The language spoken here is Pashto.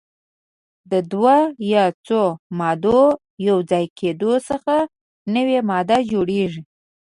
د دوه یا څو مادو یو ځای کیدو څخه نوې ماده جوړیږي.